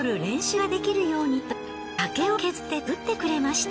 竹を削って作ってくれました。